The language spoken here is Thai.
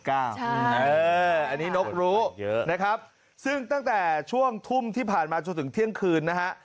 อันนี้นกรู้เยอะนะครับซึ่งตั้งแต่ช่วงทุ่มที่ผ่านมาจนถึงเที่ยงคืนนะฮะ